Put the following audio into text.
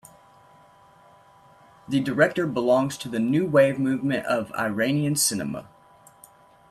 The director belongs to the new wave movement of Iranian cinema.